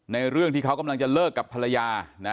เรื่องที่เขากำลังจะเลิกกับภรรยานะ